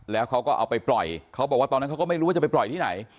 แล้วเขาก็เอาไปปล่อยเขาบอกว่าตอนนั้นเขาก็ไม่รู้ว่าจะไปปล่อยที่ไหน